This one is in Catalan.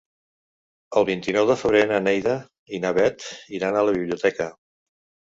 El vint-i-nou de febrer na Neida i na Bet iran a la biblioteca.